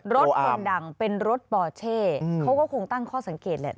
คนดังเป็นรถปอเช่เขาก็คงตั้งข้อสังเกตแหละ